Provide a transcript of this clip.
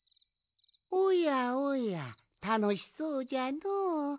おやおやたのしそうじゃのう。